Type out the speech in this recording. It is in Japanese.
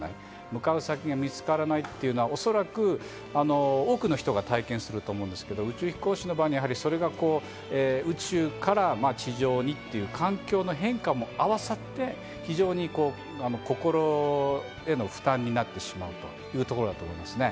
向かう先が見つからないというのは、おそらく多くの人が体験すると思うんですけど、宇宙飛行士の場合、それが宇宙から地上にという環境の変化も合わさって、心への負担になってしまうというところだと思いますね。